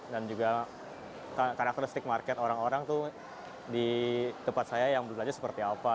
juga karakteristik market orang orang tuh di tempat saya yang berbelanja seperti apa